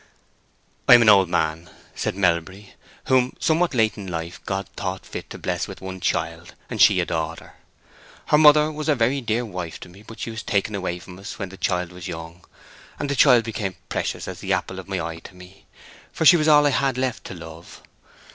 "I am an old man," said Melbury, "whom, somewhat late in life, God thought fit to bless with one child, and she a daughter. Her mother was a very dear wife to me, but she was taken away from us when the child was young, and the child became precious as the apple of my eye to me, for she was all I had left to love.